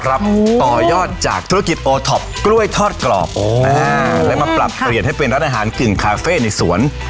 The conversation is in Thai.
ต่อยอดจากธุรกิจโอท็อปกล้วยทอดกรอบและมาปรับเปลี่ยนให้เป็นร้านอาหารกึ่งคาเฟ่ในสวน